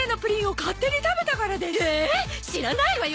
知らないわよ